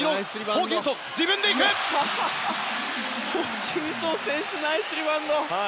ホーキンソン選手ナイスリバウンド！